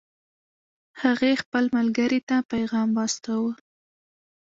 هغې خپل ملګرې ته پیغام واستاوه